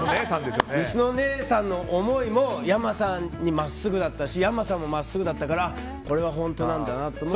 西野姉さんの思いも山さんに真っすぐだったし山さんも真っすぐだったからこれは本当なんだなと思って。